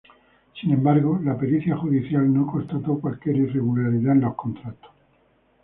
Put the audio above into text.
Sin embargo, la pericia judicial no constató cualquier irregularidad en los contratos.